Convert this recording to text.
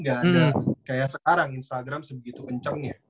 gak ada kayak sekarang instagram sebegitu kencengnya